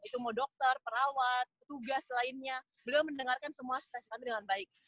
itu mau dokter perawat tugas lainnya beliau mendengarkan semua spesies kami dengan baik